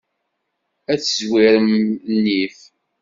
Ad tezwirem nnif.